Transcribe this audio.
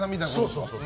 そうそう。